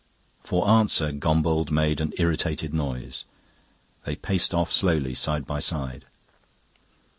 For answer Gombauld made an irritated noise. They paced off slowly, side by side.